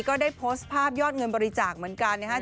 ก็ได้โพสต์ภาพยอดเงินบริจาคเหมือนกันนะครับ